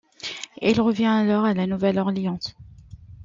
Il revient alors à La Nouvelle-Orléans.